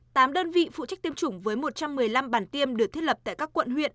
tám đơn vị phụ trách tiêm chủng với một trăm một mươi năm bản tiêm được thiết lập tại các quận huyện